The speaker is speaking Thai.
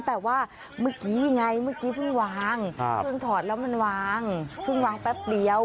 แต่ว่าเมื่อกี้ไงเมื่อกี้เพิ่งวางเพิ่งถอดแล้วมันวางเพิ่งวางแป๊บเดียว